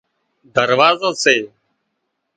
دروازا سي